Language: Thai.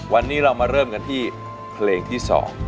วันนี้เรามาเริ่มกันที่เพลงที่๒